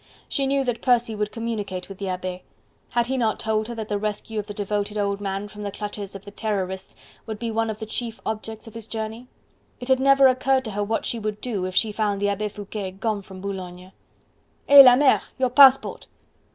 She knew that Percy would communicate with the abbe; had he not told her that the rescue of the devoted old man from the clutches of the Terrorists would be one of the chief objects of his journey? It had never occurred to her what she would do if she found the Abbe Foucquet gone from Boulogne. "He! la mere! your passport!"